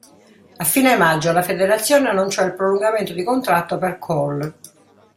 A fine maggio, la federazione annunciò il prolungamento di contratto per Cole.